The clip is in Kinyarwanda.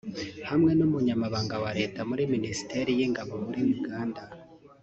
hamwe n’umunyamabanga wa Leta muri Ministeri y’ingabo muri Uganda